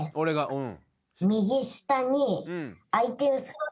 うん！